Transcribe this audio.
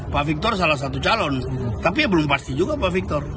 pak victor salah satu calon tapi ya belum pasti juga pak victor